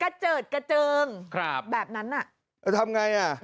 กระเจิดกระเจิงครับแบบนั้นน่ะแล้วทำไงน่ะ